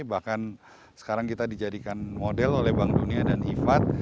bahkan sekarang kita dijadikan model oleh bank dunia dan ifat